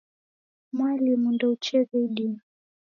Mwalimu ndeucheghe idime.